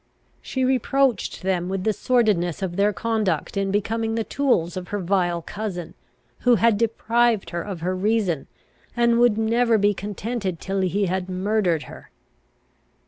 She reproached them with the sordidness of their conduct in becoming the tools of her vile cousin, who had deprived her of her reason, and would never be contented till he had murdered her.